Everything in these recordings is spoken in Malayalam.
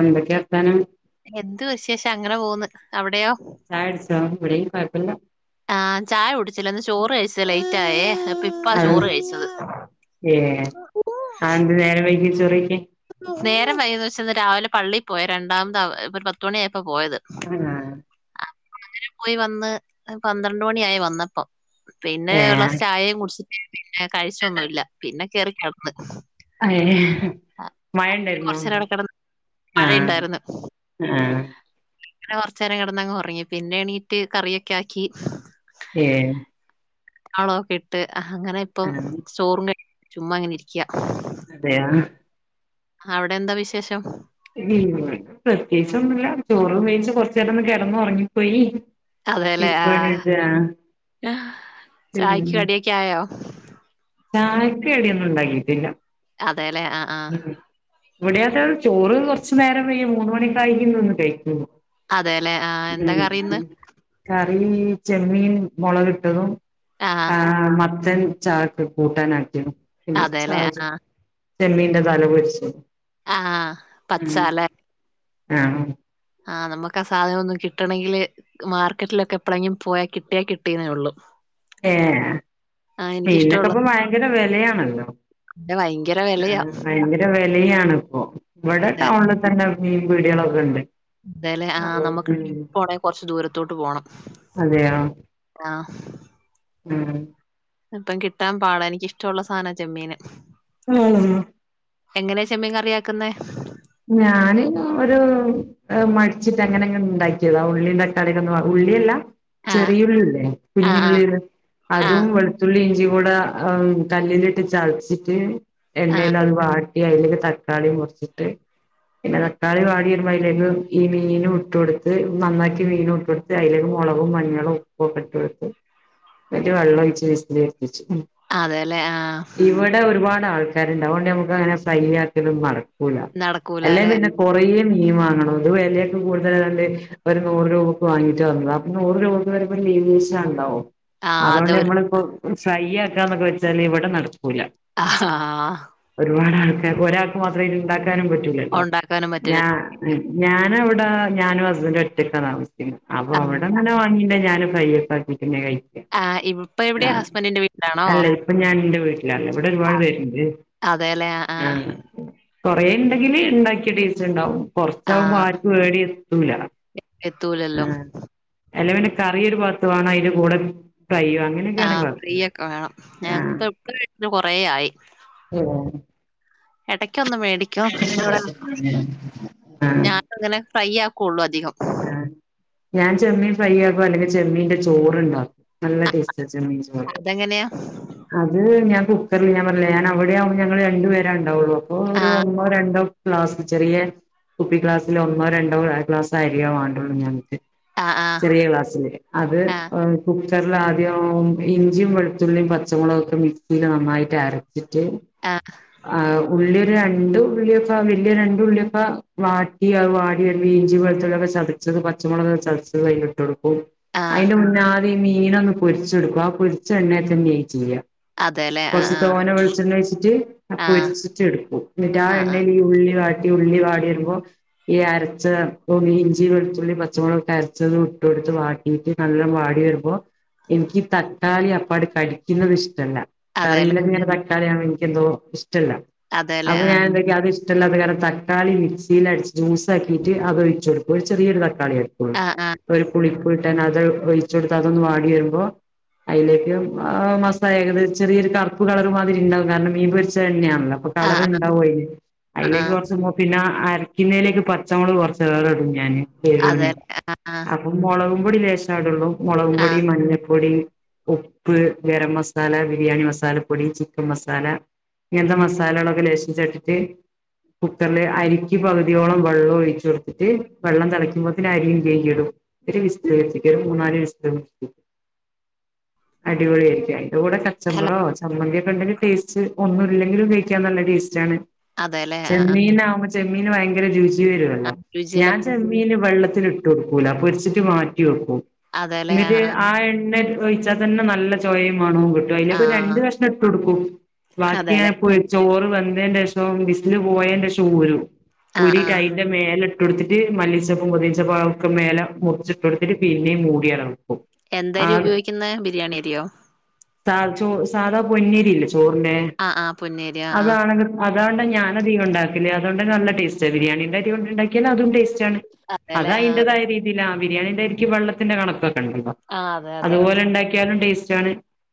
എന്തൊക്കെ വർത്താനം? എന്ത് വിശേഷം? അങ്ങനെ പോക്ന്ന്. അവിടെയോ? ചായ കുടിച്ചോ? ഇവിടെയും കൊയപ്പല്ല്യ ആഹ് ചായ കുടിച്ചില്ല. ഇന്ന് ചോറ് കഴിച്ചത് ലേറ്റ് ആയേ. അപ്പ ഇപ്പാ ആഹ് ചോറ് കഴിച്ചത്. ഏഹ് അതെന്തേ നേരം വൈകിയെ ചോറഴിക്കാൻ? നേരം വൈകിത് വെച്ച ഇന്ന് രാവിലെ പള്ളി പോയി. രണ്ടാമതാ അപ്പൊരു പത്തുമണി ആയപ്പാ പോയത്. [unintelligible] അപ്പ അങ്ങനെ പോയി വന്ന് പന്ത്രണ്ട് മണി ആയി വന്നപ്പം പിന്നെ ഒര് ഗ്ലാസ്സ്‌ ഏഹ് ചായേം കുടിച്ചിട്ട്, പിന്നെ കഴിച്ചൊന്നുല്ല. പിന്നെ കേറി കെടന്ന് ഏഹ് മഴ ഇണ്ടായിരുന്നോ? കൊറച്ചേരം അവിടെ കെടന്ന് ആഹ് മഴയുണ്ടായിരുന്നു ആഹ് അങ്ങനെ കൊറച്ചേരം കെടന്നങ്ങ് ഒറങ്ങി, പിന്നെ എണീറ്റ് കറിയൊക്കെ ആക്കി ഏഹ് അവളെ ഒർക്കീട്ട് അങ്ങനെ ഇപ്പം ആഹ് ചോറും കയി [inaudible] ചുമ്മാ ഇങ്ങനെ ഇരിക്കാ അതെയാ അവടെ എന്താ വിശേഷം? [unintelligible] പ്രത്യേകിച്ച് ഒന്നുല്ല. ചോറും വേയ്ച്ച് കൊറച്ചേരം ഒന്ന് കെടന്ന് ഒറങ്ങിപ്പോയി അതെല്ലേ. ആഹ്, ഉം ചായക്ക് കടിയൊക്കെ ആയോ? ചായക്ക് കടിയൊന്നും ഇണ്ടാക്കിട്ടില്ല. അതേലേ. ആഹ് ആഹ്. ഇവിടെയക്കെ ചോറ് കൊറച്ചു നേരം വൈകി മൂന്ന്‌ മണിയൊക്കായിക്ക്ന്ന് വന്ന് കയിക്കൂ അതേല്ലേ ആഹ് എന്താ ഉം, കറിയിന്ന്? കറി ചെമ്മീൻ മുളക് ഇിട്ടതും, ആഹ് മത്തൻ ചാർക്ക് കൂട്ടാൻ ആക്കിയതും പിന്നെ ച അതേല്ലേ ആഹ് ചെമ്മീന്റെ തല പൊരിച്ചതും, ആഹ്, ഉം പച്ചാല്ലേ ആഹ്, ആഹ് നമുക്ക് ആ സാധനം ഒന്നും കിട്ടണെങ്കില്, മാർക്കറ്റിലൊക്കെ എപ്പളെങ്കിലും പോയാ കിട്ടിയാ കിട്ടീന്നേ ഉള്ളൂ, ഏഹ് ആഹ് എനിക്കിഷ്ടമുള്ള മീനൊക്കെപ്പം ഭയങ്കര വിലയാണല്ലോ, വ്ട ഭയങ്കര വെ ആഹ് ഭയങ്കര വെലയാണ് ഇപ്പോ ഇവിടെ അതെ ടൗണില മീൻ പീടികളൊക്കെ ഉണ്ട്, അതേലേ, ആഹ് നമുക്ക് ഉം ട്രെയിനി പോണേ കൊറച്ച് ദൂരത്തോട്ട് പോണം, ആഹ് മ് ഇപ്പം കിട്ടാൻ പാടാ എനിക്കിഷ്ടമുള്ള സാധനം ചെമ്മീന്, ഏഹ്, എങ്ങനെയാ ചെമ്മീ കറിയാക്കുന്നെ? ഞാന് ന്ന ഒരു, മടിച്ചിട്ട് അങ്ങനെങ്ങനെ ഉണ്ടാക്കിയതാ ഉള്ളി, തക്കാളിക്ക ഒന്ന് ഉള്ളിയല്ലാ, ആഹ് ചെറിയുള്ളില്ലേ ആഹ് ആഹ് കുഞ്ഞുള്ളി ആഹ് അതും വെളുത്തുള്ളി ഇഞ്ചി കൂട, ആഹ കല്ലിലിട്ട് ചതച്ചിട്ട് ആഹ് എണ്ണയില അത് വാ അയ്ലേക്ക് തക്കാളിയും മുറിച്ചിട്ട്, പിന്നെ തക്കാളി വാടിവരുമ്പോ അയ്ല്ലേക്ക്‌ ഈ മീനു ഇട്ടൊടുത്ത് നന്നാക്കിയ മീനും ഇട്ടൊട്ത്ത്, അയ്ലേക്ക് മുളകും മഞ്ഞളും ഉപ്പൊക്കെ ഇട്ടൊടുത്ത്, ന്നിട്ട് വെള്ളം ഒഴിച്ച് വിസിൽ അട്പിച്ചും, അതേ ലേ ആഹ്, ഇവിടെ ഒരുപാട് ആൾക്കാരുണ്ട്, അതുകൊണ്ട് നമുക്ക് അങ്ങനെ ഫ്രൈയാക്കലൊന്നും നടക്കൂല, അല്ലേ നടക്കൂലാല്ലേ പിന്നെ കൊറേ മീൻ വാങ്ങണം അത് വിലയൊക്കെ കൂടുതലായോണ്ട്, ഒരു നൂറ് രൂപയ്ക്ക് വാങ്ങിട്ട് വന്നത അപ്പൊ നൂറ് രൂപയ്ക്ക് വരെ ഒരീവ്സേണ്ടാവൂ, ആഹ് അതുകൊണ്ട് അതൊരു നമ്മളിപ്പോ ഫ്രൈ ആക്കാന്നൊക്കെ വെച്ചാല് ഇവിടെ നടക്കൂല, ആഹ്, ഹാ ഒരുപാട് ആൾക്കാർക്ക് ഒരാൾക്ക് മാത്രം ഇത് ണ്ടാക്കാനും പറ്റൂലല്ലോ, ഉണ്ടാക്കാനും പറ്റില്ല. ഞാ ഞാനവിട ഞാനും ഹസ്ബൻഡും ഒറ്റക്കാണാ അപ്പൊ അവിടെ അങ്ങനെ വാങ്ങീണ്ടെ ഞാനും ഫ്രൈ ഒക്കെ ആക്കിട്ടെ കഴ് ആഹ് ഇപ്പൊ എവിട ഹസ്ബൻറിന്റെ വീട്ടിലാണോ? പ്പൊ ഞാൻ ന്റെ വീട്ടിലാള്ളത്, ഇവിടെ ഒരുപാട് പേരുണ്ട്, അതേല്ലേ. ആ, ആഹ് കൊറേ ണ്ടെങ്കിൽ ഉണ്ടാക്കിയ ടേസ്റ്റ് ഉണ്ടാവും, ആ. ആ കൊറച്ചാകുമ്പോ ആർക്കും ഏടെയ് എത്തൂല, എത്തൂലല്ലോ. ആഹ്, അല്ലെ പിന്ന കറിയൊരു ബാത്തു വേണം അതിന്റെ കൂടെ ഫ്രൈയ്യും അ ആഹ് ഫ്രൈയൊക്കെ വേണം ഞങ്ങ ഇപ്പൊ [inaudible] കൊറെ ആയി, ഏഹ്, ഇടക്കൊന്ന് മേടിക്കും ഇടെ ഞാന അങ്ങനെ ഫ്രൈ ആക്കുള്ളൂ അധികം ആഹ് ഞാൻ ചെമ്മീൻ ഫ്രൈ ആക്കും അല്ലെങ്കിൽ ചെമ്മീന്റെ ചോറ്ണ്ടാക്കും നല്ല ടേസ്റ്റ് ആ ചെമീൻ ചോറ് അതെങ്ങനെയാ? അത് ഞാൻ കുക്കറിൽ ഞാൻ പറഞ്ഞില്ല ഞൻ അവിടെയാവുമ്പ ഞങ്ങള് രണ്ടുപേണ്ടാവുള്ളൂ അപ്പോ ആ, ഒരു ഒന്നോ രണ്ടോ ക്ലാസ് ചെറിയ കുപ്പി ക്ലാസ്സില ഒന്നോ രണ്ടോ ക്ലാസ് ഐഡിയ വേണ്ടൊള്ളൂ ഞങ്ങക്ക് ആ, ആ, ചെറിയ ക്ലാസ്സില്. അത് ആ, കുക്കറിലാദ്യം ഇഞ്ചിയും വെളുത്തുള്ളിയും പച്ചമുളകക്കെ മിക്സിയിൽ നന്നായിട്ടരച്ചിട്ട് ആഹ് ആഹ് ഉള്ളി ഒരു രണ്ട് ഉള്ളിയൊക്കെ വല്ല്യ രണ്ട് ഉള്ളിയൊക്കെ വാട്ടിയ വാ പിന്നെ ഇഞ്ചി വെളുത്തുള്ളിയൊക്കെ ചതച്ചത് പച്ചമുളകൊക്കെ ചതച്ചത് അതിലിട്ട് കൊടുക്കും. ആ. അതിന്റെ മുന്നെ ആദ്യം ഈ മീനൊന്ന് പൊരിച്ചെടുക്കും. ആ പൊരിച്ച എണ്ണയിൽ തന്നെയാ ചെയ്യ. അതേല്ലേ. ആ, കൊറച്ച് ആ, തോനെ വെളിച്ചെണ്ണ ഒഴിച്ചിട്ട് ആ, പൊരിച്ചിട്ട് എടുക്കും. എന്നിട്ട് ആ എണ്ണേല് ഉള്ളി വാട്ടി ഉള്ളി വാടി വരുമ്പോ ഈ അരച്ച ഇഞ്ചി, വെളുത്തുള്ളി, പച്ചമുളകൊക്കെ അരച്ചത് ഇട്ട് കൊടുത്ത് വാ ട്ടി നല്ല വടി വരുമ്പോ എനിക്ക് തക്കാളി അപ്പാടെ കടിക്കുന്നുന്നത് ഇഷ്ടല്ല. അതേല്ലേ. കറിയിലങ്ങനെ കറിയാവുമ്പോ എനിക്കെന്തോ ഇഷ്ടല്ല. അതേല്ലേ. അപ്പ ആ, ഞാൻ എന്താക്കി അത് ഇഷ് ടല്ലാത്ത കാരണം തക്കാളി മിക്സീല് അടിച്ച് ജ്യൂസാക്കിട്ട് അത് ഒഴിച്ച് കൊടുക്കും. ഒരു ചെറിയൊരു തക്കാളിയാണ്. ആ, ആ, ഒരു പുളിപ്പ് കിട്ടാൻ അത് ഒഴിച്ചൊട്ത്ത് അതൊന്ന് വാടി വരുമ്പോ അതിലേക്ക് മസാ ഏകദേ ചെറിയൊരു കറുപ്പ് കളർമാതിരിണ്ടാവും. കാരണം മീൻ പൊരി ച്ച എണ്ണേണല്ലാ. അപ്പ ആ, ആ, കളറ്ണ്ടാവും അയിന്. ആ, ആ. അതിലേക്ക് കൊറച്ച് മൊ പിന്നെ അരക്കുന്നതിലേക്ക് പച്ചമുളക് കൊറച്ച് വേറെ ഇടും ഞാന് എരൂന്. അതേല്ലേ. ആ, അപ്പൊ മൊളകും പൊടി ലേശാ ഇടുള്ളൂ. മൊളകും ആ. പൊടി, മഞ്ഞപ്പൊടി ഉപ്പ്, ഗരം മസാല, ബിരിയാണി മസാലപ്പൊടി, ചിക്കൻ മസാല ഇങ്ങനത്തെ മസാലകളൊക്കെ ലേശം ചേർത്തിട്ട് കുക്കറില് അരിക്ക് പകുതിയോളം വെള്ളം ഒഴിച്ചു കൊടുത്തിട്ട് വെള്ളം തിളക്കുമ്പോത്തന് അരിയും കഴികീടും. ഇച്ചിരി [unintelligible] ചിക്കനും മൂന്നാല് [unintelligible] അടിപൊളി ആയിരിക്കും. ഇത് കൂടെ ഹലോ. കച്ചമ്പറോ ചമ്മതി ഒക്കെണ്ടെങ്കി ടേസ്റ്റ്. ഒന്നും ഇല്ലെങ്കിലും കഴിക്കാൻ നല്ല ടേസ്റ്റാണ്. അതേല്ലേ. ആ, ആ, ചെമ്മീനാകുമ്പോ ചെമ്മീന് ഭയങ്കര രുചി ആ. വരുമല്ലോ. രുചിയിലെ ഞാൻ ചെമ്മീന് വെള്ളത്തിലിട്ട് ക്കൂല. പൊരിച്ചിട്ട് മാറ്റി വെക്കും എന്നിട്ട് ആ എണ്ണേ അത് ഒഴിച്ചാ തന്നെ നല്ല ചൊയേം മണോം ആ. രണ്ട് കഷ്ണം ഇട്ട് കൊടുക്കും. ബാക്കി അതേല്ലേ. ഞാൻ പോയ്‌ ചോറ് വെന്തതിന്റെ ശേഷവും വിസില് പോയന്റെേ ശേഷവും ഊരും. ആഹ് ആഹ് ഊരിട്ടയിന്റെ മേലട്ട് കൊടുത്തിട്ട് മല്ലിച്ചപ്പും പൊതിച്ചപ്പും ഒക്കെ മേലെ മുറിച്ചിട്ട് കൊടുത്തിട്ട് പിന്നെയും മൂടിയിടണം. എന്തരിയാ ഉപയോഗിക്കുന്നെ? ബിരിയാണി അതിയോ? സാ ചോ സാധാ പൊന്നിരിയില്ലേ ചോറിന്റെ? ആഹ് ആഹ് പൊന്നരി. ആഹ് ആഹ് അതാണെങ്ക അതുകൊണ്ടാ ഞാൻ അധികം ഉണ്ടാക്കല്. അതൊണ്ടന്നെ നല്ല ടേസ്റ്റാ. ബിരിയാണിന്റെ അരി കൊണ്ടുണ്ടാക്കിയാൽ അതും ടേസ്റ്റാണ്. അത് അതെല്ലേ ആഹ് അയിന്റേതായ രീതിയിലാ. ബിരിയാണിന്റെ അരിക്ക് വെള്ളത്തിന്റെ കണക്കൊക്കെണ്ടല്ലോ. ആഹ് അതെ അതെ അതുപോലെ ഉണ്ടാക്കിയാലും ടേസ്റ്റാണ്.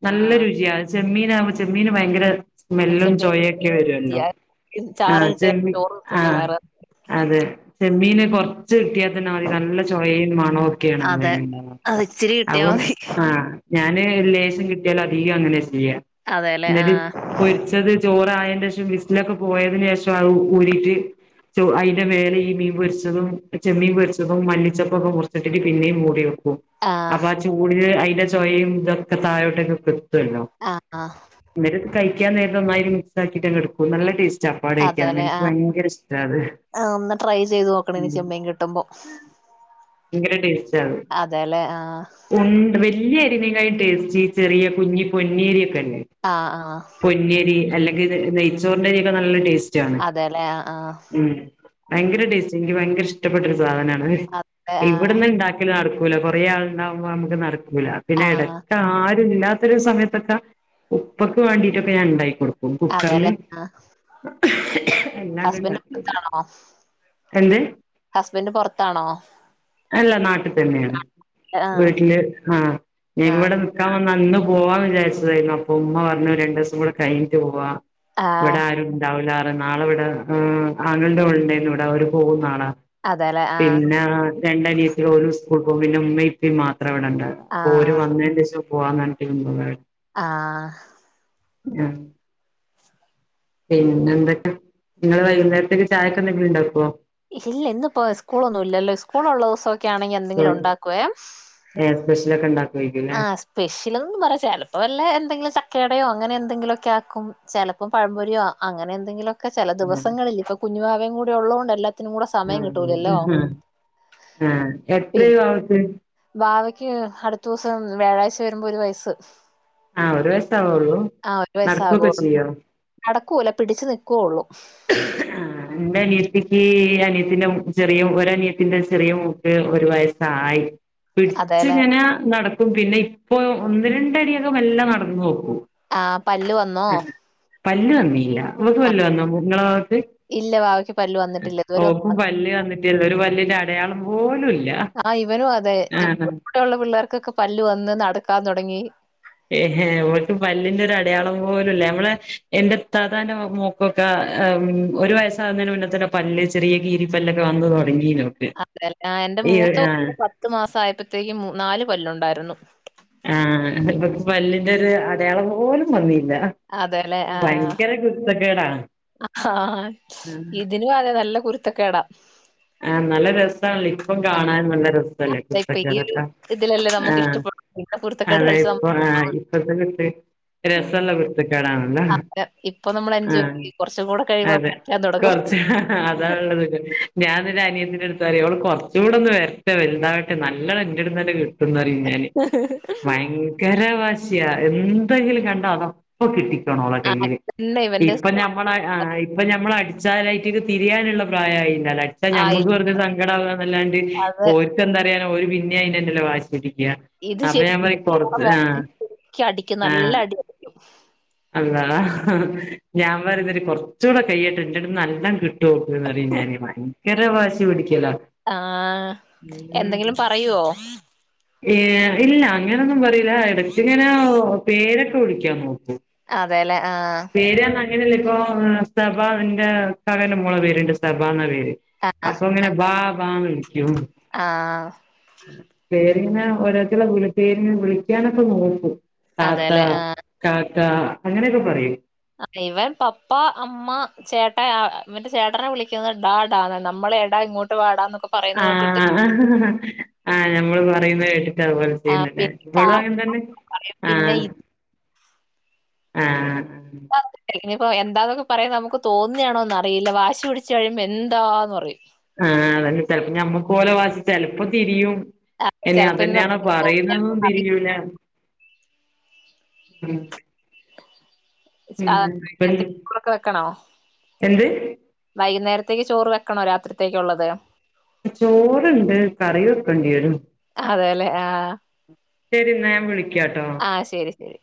നല്ല ആഹ് രുചിയാ ചെമ്മീനാവുമ്പോ ചെമ്മീന് ഭയങ്കര സ്മെല്ലും ചെമ്മീൻ ചൊയേക്കെ വരുവല്ലോ. കിട്ടിയാ- ചാറ് ആഹ് കിട്ടിയ ചെമ്മീൻ ചോറ് തിന്ന ആഹ് വേറെ അതെ ചെമ്മീന് കൊറ ഇച്ചിരി കിട്ടിയാ തന്നെ മതി നല്ല ചൊയെയും മണവും ഒക്കെയാണ് അതെ അതിന്. അത് ഇച്ചിരി കിട്ടിയാ അപ്പം മതി ആഹ് ഞാന് ലേശം കിട്ടിയാലധികോ അങ്ങനെ ചെയ്യാ. അതെല്ലേ എന്നട്ട് ആഹ് പൊരിച്ചത് ചോറയതിന് ശേഷം വിസിലൊക്കെ പോയതിന് ശേഷം ആ ഊരിട്ട് ചു അതിന്റെ മേലെ ഈ മീൻ പൊരിച്ചതും ചെമ്മീൻ പൊരിച്ചതും മല്ലിച്ചപ്പൊക്കെ മുറിച്ചിട്ടിട്ട് പിന്നേം മൂടി വെക്കും. ആഹ് അപ്പ ആ ചൂടിന് അതിന്റെ ചൊയയും ഇതൊക്കെ താഴോട്ടൊക്കെ എത്തുവല്ലോ. ആഹ് ആഹ് എന്നിട്ടിത്‌ കഴിക്കാൻ നേരത്ത് ഒന്നായിട്ട് മിക്സാക്കിയിട്ട് ഇങ്ങെടുക്കും. നല്ല ടേസ് ചാപ്പാട് കഴിക്കാന് അതെല്ലെ എനിക്ക് ആഹ് ഭയങ്കര ഇഷ്ടാ അത്. ആഹ് ഒന്ന് ട്രൈ ചെയ്ത് നോക്കണം ഇനി ഉം ചെമ്മീൻ കിട്ടുമ്പോ എങ്ങനേണ്ടേയ്നു? അതെ ലേ ആ ഉണ്ട്. വല്ല്യ എരിവിനായിട്ട് ഇഞ്ചി ചെറിയ കുഞ്ഞി പൊന്നി അരി ഒക്കെ അല്ലേ ആഹ് ആഹ് പൊന്നി അരി അല്ലെങ്കി നെ നെയ്ച്ചോർന്റെ അരി ഒക്കെ നല്ല ടേസ്റ്റാണ്. അതെല്ലേ ആഹ് ആഹ് ഉം ഭയങ്കര ടേസ്റ്റ്. ൻക്ക് ഭയങ്കര ഇഷ്ടപ്പെട്ട ഒരു സാധനാണ് അത് അതെ ആഹ് ഇവിട്ന്ന്ണ്ടാ ക്കല് നട്ക്കൂല. കൊറേ ആള്ണ്ടാവുമ്പോ നമുക്ക് നടക്കൂല പിന്നെ എടക് ആഹ് ആരുല്ലാത്തൊരു സമയത്തൊക്ക ഉപ്പക്ക് വേണ്ടിട്ടൊക്കെ ഞാൻ ഉണ്ടാക്കി കൊടു [unintelligible] കുക്കർല് അതെല്ലേ ആഹ് അയ്ലാണ്ട് ഹസ്ബൻഡ് ണ്ടാക്കല് എന്ത് ഹസ്ബന്റ് പൊർത്താണോ? അല്ല. നാട്ടിൽ തന്നെയാണ്. ആഹ് വീട്ടില് ആ ഇവടെ ആഹ് ക്കാൻ വന്നാ. ഇന്ന് പോവാൻ വിചാരിച്ചതായിരുന്നു. അപ്പ ഉമ്മ പറഞ്ഞു, രണ്ട് ദിവസം കൂടെ കഴിഞ്ഞിട്ടു പോവാ. ആഹ് ഇവടെ ആരും ണ്ടാവൂലാറ നാളെ ഇവടെ ആങ്ങൾൻ്റെ ഓൾ ണ്ടായ്ന്ന് ഇവടെ അവര് പോകും നാളാ അതെല്ലെ ആഹ് പിന്നെ രണ്ടനിയത്ത്യേള് ഓല് സ്കൂൾക്കോവും പിന്നെ ഉമ്മിം ഇപ്പിം മാത്രാ വടെ ണ്ടാവ. അപ്പൊ ഓര് ആഹ് വന്നേൻ്റെഷം പോവാന്നർഞ്ഞ്ട്ട് നിന്നതാണ്. ആഹ് ഉം പിന്നെ എന്തൊക്കെ? നിങ്ങള് വൈകുന്നേരത്തേക്ക് ചായക്ക് എന്തെങ്കിലും ഉണ്ടാക്കുവോ? ഇല്ല. ഇന്ന്പ്പോ സ്കൂളൊന്നും ഇല്ലല്ലോ. സ്കൂൾ ഉള്ള ദിവസൊക്കെ ആണെങ്കി എന്തെങ്കിലും ഉണ്ടാക്കുവേ ഏ സ്പെഷ്യലൊക്കെ ണ്ടാക് ആ സ്പെഷ്യൽ ന്നും പറയാ. ചെൽപ്പോ വല്ല എന്തെങ്കിലും ചക്കേടയോ അങ്ങനെ എന്തെങ്കിലുക്കെ ആക്കും. ചെല പ്പം പഴം പൊരിയോ അങ്ങനെ എന്തെങ്കിലൊക്കെ ചെല ദിവസങ്ങളിൽ. ഇപ്പൊ കുഞ്ഞുവാവേയും കൂടി ഉള്ളോണ്ട് എല്ലെ ആ ആ എത്രയായി വാവക്ക് വാവയ്ക്ക് അടുത്ത ദിവസം വ്യാഴാഴ്ച വരുമ്പോ ഒരു വയസ്സ്. ആ ഒരു വയസ്സ് ആവുണൊള്ളൂ. ആഹ് ഒരു നടക്കൊക്കെ വയസ്സാകുള്ളൂ ചെയ്യോ? നടക്കൂല. പിടിച്ചു നിക്കുവൊള്ളു. ആഹ് ആ ഇന്റെ അനിയത്തിക്ക് അനിയത്തിന്റെ ചെറിയ ഒരനിയത്തിന്റെ ചെറിയ മോക്ക് ഒരു വയസ്സായി. അതെല്ലെ പിടിച്ചിങ്ങനെ നടക്കും. പിന്നെ ഇപ്പൊ ഒന്ന് രണ്ടടിയൊക്കെ മെല്ലെ നടന്നോക്കും. ആ പല്ല് വന്നോ? പല്ല് വന്നില്ല. ഓക്ക് ആ, പല്ല് വന്നോ? ങ്ങളെ വാവക്ക്. ഇല്ല വാവയ്ക്ക് പല്ല് വന്നിട്ടില്ല ഇതുവരെ ഒന്നും ഓക്കും പ പല്ല് വന്നിട്ടില്ല ഒരു പല്ലിന്റെ അടയാളം പോലുംല്ല്യാ ആ ഇപ്പോ ഉള്ള പിള്ളേർക്കൊക്കെ പല്ല് വന്ന്. നടക്കാൻ തുടങ്ങി. ഏഹെ ഓൽക്ക് പല്ലിന്റെ ഒരു അടയാളം പോലുംല്ല. ഞമ്മളെ എന്റെ താതാന്റെ മോ കൊക്കെ. ഒരു വയസ്സാകുന്നതിന് മുന്നെ തന്നെ പല്ല് ചെറിയ കീരിപ്പല്ലൊക്കെ വന്ന് തൊടങ്ങീനു. അതെല്ലേ. ആ എന്റെ മൂത്ത കൊ പത്തു മാസം ആയപ്പത്തേയ്ക്കും നാല് പല്ലുണ്ടായിരുന്നു. ആ ഇവക്ക് പല്ലിന്റെ ഒരു അടയാളം പോലും വന്നീല്ല. അതെ ലേ ആ ഇത് ഇതിനും അതെ നല്ല കുരുത്തകേടാ. ആ നല്ല രസാണല്ലോ. ഇപ്പ കാണൻ നല്ല രസല്ലേ കുരുത്തക്കേടൊക്കെ. ഇല്ലല്ലേ നമുക്ക് ഇഷ്ട്ട ആഹ് പ്പെ അതെ. ഇപ്പൊ ആ ഇപ്പതന്നെണ്ട്. രസള്ളത് കുരുത്തക്കേട് ആണല്ലോ ഇപ്പൊ നമ്മൾ ആ എൻജോയ് ചെയ്യും. കുറച്ചും കൂടെ കഴിയുമ്പോ അതെ പറ്റാൻ തുടങ്ങും. കൊർച്ച് കാ ആ അതാള്ളതൊര് ഞാനൻ്റെ അനിയത്തിന്റെ അടുത്ത് പറയും. ഓള് കൊർച്ചൂടെ ഒന്ന് വര്ട്ടെ വലുതാവട്ടെ. നല്ലണം ന്റെട്ത്ത്ന്നന്നെ കി ട്ടും ന്നറിം ഞാന്. ഭയങ്കര വാശിയാ എന്തെങ്കിലും കണ്ടാ അത പ്പ കിട്ടിക്കോണം ഓളെ ആഹ് കയ്യില്. ഇതന്നെ ഇവന്റെ ഇപ്പൊ ഞാൻ മ്മളയ് ആഹ് ഇപ്പ ഞമ്മള് അടിച്ചാല് അയ്റ്റ്ക്ക് തിരിയാന്ള്ള പ്രായായില്ലാലോ അടി ച്ചാ ആയി ഞമ്മക്ക് വെർതെ സങ്കടാവാന്നല്ലാണ്ട്. അത് ഓര്ക്ക് എന്താറിയാന ഓര് പിന്നിം അയ്നെന്നല്ലെ വാശി പിടിക്ക്യാ ഇത് വാശിപ്പിക്കുക അപ്പൊ ഞാൻ ശരിക്കും പറയും. നമ്മുടെ കൊറച്ച് മുഖത്ത് ആഹ് ശരിക്കും അടിക്കും ആഹ് നല്ല അടി. ആഹ് അള്ളാ ഞാൻ പറയും ഇന്നട്ട് കൊർച്ചുടെ കെയ്യട്ടെ. ഇന്റെട്ത് ന്ന് നല്ലം കി ട്ടോക്ക് ന്ന് പറയും ഞാന് ഭയങ്കര വാശി പിടിക്ക്യലാ ആഹ് എന്തെങ്കിലും പറയ്വോ ഏഹ് ഇല്ല അങ്ങനെ ഒന്നും പറീല എടക്ക് ഇങ്ങനെ ഓ പേരെക്കെ വിളിക്കും ക്ക്യാൻ നോക്ക് അതേല്ലെ ആഹ് ആഹ് പേര് അർഞ്ഞാ അങ്ങനല്ല ഇപ്പോ സ്തഭാന്ന ഇന്റെ ഇക്കാക്കാന്റെ മോളെ പേര്ണ്ട് സ്തഭാന്നാ പേര് ആഹ് അപ്പൊ ഇങ്ങനെ ബാ ബാ ന്ന് വിളിക്ക്യും ആഹ് പേരിങ്ങനെ ഓരോര്ത്തെര്ടെ വിളി പേരിങ്ങനെ വിളിക്കാനൊക്കെ നോക്കും താത്ത അതെല്ലേ ആഹ് കാക്ക അങ്ങനെയൊക്കെ പറയും ആഹ് ഇവൻ പപ്പ അമ്മ ചേട്ടാ ആഹ് ഇവന്റെ ചേട്ടനെ വിളിക്കുന്നെ ടാടാന്നാ നമ്മള് എടാ ഇങ്ങോട്ട് വാടാന്നൊക്ക ആഹ് ആഹ് ഞമ്മള് പറയുന്ന കേട്ടിട്ട് അതുപോലെ ചെയ്യുന്നത് അല്ലെ ഇവടും അങ്ങൻതന്നെ പ [unintelligible] യം പിന്നെ ഇ ആഹ് ആഹ് ആഹ് ന്താ ന്നൊക്കെ പറയും ഇനി ഇപ്പൊ എന്താന്നൊക്കെ പറയാൻ നമുക്ക് തോന്നിയാണോന്ന് അറിയില്ല വാശി പിടിച്ച് കഴിയുമ്പ എന്താന്ന് പറയും. ആഹ് ആഹ് അതന്നെ ചെൽപ്പൊ ഞമ്മക്ക് ഓലെ ഭാഷ ചെലപ്പൊ തിരിയും ആഹ് ഇനി ചെലപ്പോ അതന്നെയാണോ നമുക്ക് തോന്നിയാണെന്ന് പറയ്ന്നത്ന്നും പറയും തിരിയൂല. ഉം. ച്ച് ആഹ് ഉം വെയ്ന്നേര്ത്ത്ക്ക് ചോറൊക്കെ വെക്കണോ എന്ത് വൈക്ന്നേരത്തേക്ക് ചോറ് വെക്കണോ രാത്രിത്തേയ്ക്ക് ഉള്ളത് ചോറ് ഇണ്ട് കറി വെക്കെണ്ട്യെരും അതെല്ലേ ആഹ് ഉം ശെരി ന്നാ ഞാൻ വിളി ആഹ് ശരി ശരി